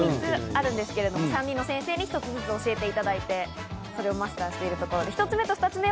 ３人の先生に一つずつ教えていただいて、それをマスターしているところです。